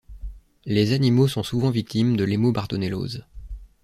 Les animaux sont souvent victimes de l'hémobartonellose.